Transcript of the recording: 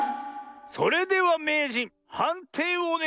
それではめいじんはんていをおねがいします。